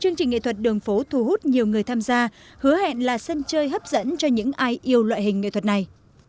chương trình nghệ thuật đường phố thu hút nhiều người tham gia hứa hẹn là sân chơi hấp dẫn cho những ai yêu loại hình nghệ thuật này